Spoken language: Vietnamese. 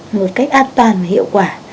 một cách an toàn và hiệu quả